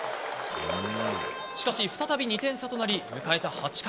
しかし、再び２点差となり迎えた８回。